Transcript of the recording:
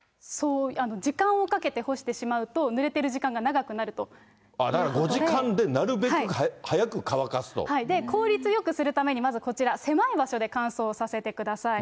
時間をかけて干してしまうと、だから、５時間でなるべく早効率よくするために、まずこちら、狭い場所で乾燥させてください。